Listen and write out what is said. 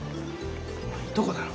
お前いとこだろ？